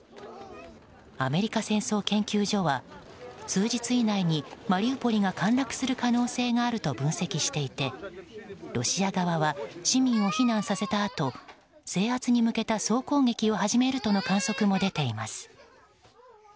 アメリカ戦争研究所は数日以内にマリウポリが陥落する可能性があると分析していてロシア側は市民を避難させたあと制圧に向けた総攻撃を始めるとの観測も出ています。